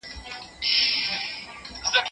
که ياري کړمه خدای مې ويني